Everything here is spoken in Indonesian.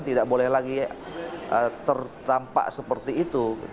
tidak boleh lagi tertampak seperti itu